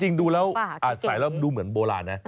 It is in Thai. จริงดูแล้วอาจใส่แล้วดูเหมือนโบราณ